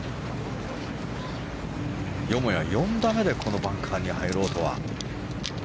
よもや、４打目でこのバンカーに入ろうとは。